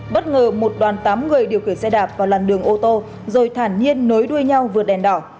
bất ngờ một đoàn tám người điều khiển xe đạp vào làn đường ô tô rồi thản nhiên nối đuôi nhau vượt đèn đỏ